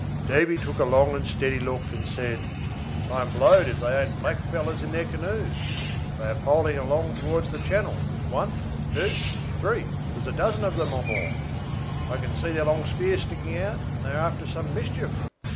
Davy took a long and steady look, and said: "I am blowed if they ain't blackfellows in their canoes. They are poleing them along towards the channel, one, two, three there's a dozen of 'em or more. I can see their long spears sticking out, and they are after some mischief.